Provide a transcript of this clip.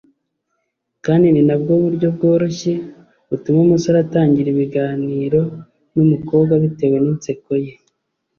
kandi ni nabwo buryo bworoshye butuma umusore atangira ibiganiro n’umukobwa bitewe n’inseko ye